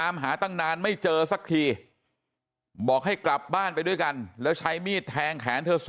ตามหาตั้งนานไม่เจอสักทีบอกให้กลับบ้านไปด้วยกันแล้วใช้มีดแทงแขนเธอ๒